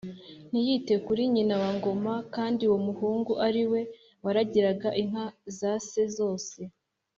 ntiyite kuri nyina wa Ngoma kandi uwo muhungu ari we waragiraga inka za se zose,